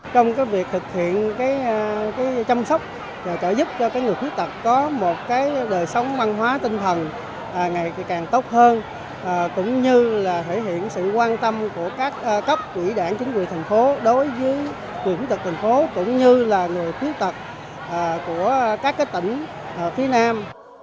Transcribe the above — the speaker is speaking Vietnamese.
trong việc thực hiện chăm sóc và trợ giúp cho người khuyết tật có một đời sống văn hóa tinh thần ngày càng tốt hơn cũng như thể hiện sự quan tâm của các cấp quỹ đảng chính quyền tp hcm đối với quyền tật tp hcm cũng như người khuyết tật của các tỉnh phía nam